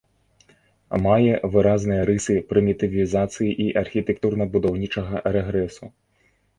Мае выразныя рысы прымітывізацыі і архітэктурна-будаўнічага рэгрэсу.